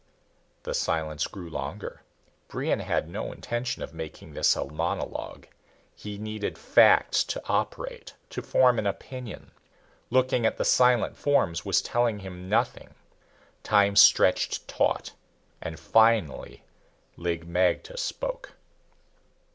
The silence grew longer. Brion had no intention of making this a monologue. He needed facts to operate, to form an opinion. Looking at the silent forms was telling him nothing. Time stretched taut, and finally Lig magte spoke.